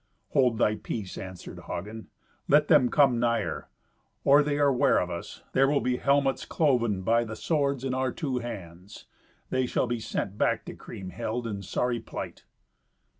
"Hold thy peace," answered Hagen. "Let them come nigher. Or they are ware of us, there will be helmets cloven by the swords in our two hands. They shall be sent back to Kriemhild in sorry plight."